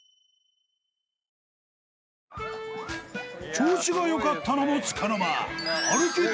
［調子が良かったのもつかの間］